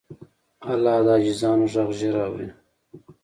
الله د عاجزانو غږ ژر اوري.